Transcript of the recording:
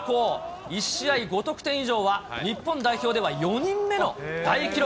１試合５得点以上は、日本代表では４人目の大記録。